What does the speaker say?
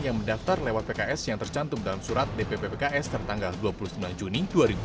yang mendaftar lewat pks yang tercantum dalam surat dpp pks tertanggal dua puluh sembilan juni dua ribu dua puluh